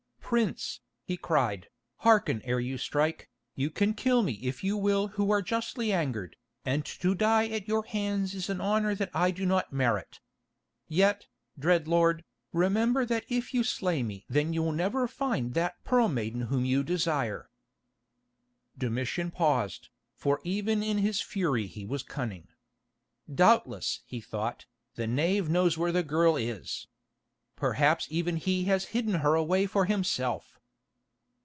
"Prince," he cried, "hearken ere you strike. You can kill me if you will who are justly angered, and to die at your hands is an honour that I do not merit. Yet, dread lord, remember that if you slay me then you will never find that Pearl Maiden whom you desire." Domitian paused, for even in his fury he was cunning. "Doubtless," he thought, "the knave knows where the girl is. Perhaps even he has hidden her away for himself."